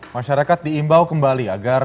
masyarakat diimbau kembali agar